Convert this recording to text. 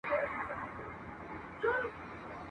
له اسمانه مي راغلی بیرغ غواړم !.